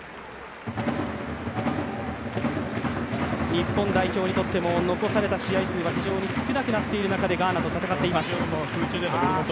日本代表にとっても残された試合数は少なくなっている中でガーナと戦っています。